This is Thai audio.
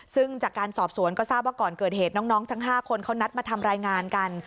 ซึ่งจากการสอบสวนก็ทราบว่าก่อนเกิดเหตุน้องทั้ง๕คนเขานัดมาทำรายงานกัน